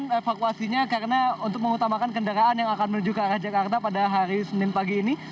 dan evakuasinya karena untuk mengutamakan kendaraan yang akan menuju ke arah jakarta pada hari senin pagi ini